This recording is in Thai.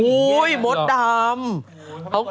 โอ้ยมดดำ